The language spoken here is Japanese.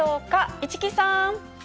市來さん。